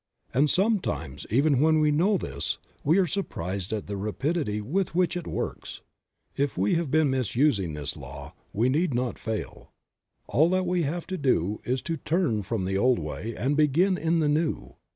And sometimes even when we know this we are surprised at the rapidity with which it works. If we have been misusing this law we need not fail ; all that we have to do is to turn from the old way and begin in the new.